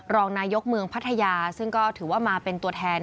รองนายกเมืองพัทยาซึ่งก็ถือว่ามาเป็นตัวแทน